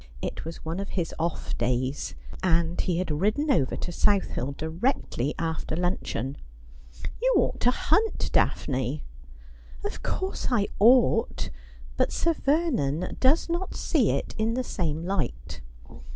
It was one of his off days, and he had ridden over to South Hill directly after luncheon. ' You ought to hunt. Daphne.' ' Of course I ought ; but Sir Vernon does not see it in the same light.